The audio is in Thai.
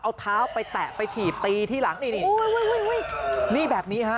เอาเท้าไปแตะไปถีบตีที่หลังนี่นี่แบบนี้ฮะ